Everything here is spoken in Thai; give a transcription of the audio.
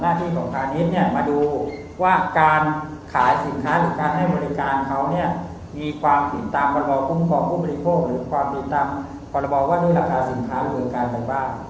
หน้าหน้าที่ของสรรคบกับหน้าที่ของคณิตเนี่ยมาดูว่าการขายสินค้าหรือการให้บริการเขาเนี่ยมีความผิดตามกรบกรุงความผู้บริโภคหรือความผิดตามกรบว่าด้วยราคาสินค้าเหลือการไหนบ้าง